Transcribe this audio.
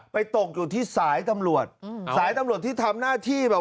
ตกอยู่ที่สายตำรวจอืมสายตำรวจที่ทำหน้าที่แบบ